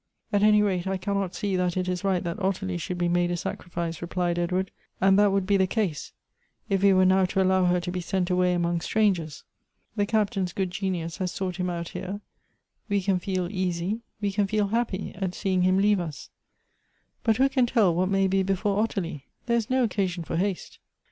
'' At any rate I cannot see that it is right that Ottilie should be made a sacrifice," replied Edward ;" and that would be the case if we were now to allow her to be sent away among strangers. The Captain's good genius has sought him out here — we can feel easy, we can feel hap py, at seeing him leave us ; but who can tell what may be before Ottilie ? There is no occasion for haste."